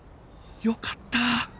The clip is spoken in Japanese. よかった！